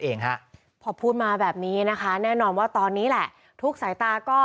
เองฮะพอพูดมาแบบนี้นะคะแน่นอนว่าตอนนี้แหละทุกสายตาก็